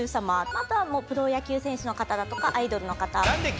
あとはプロ野球選手の方だとかアイドルの方。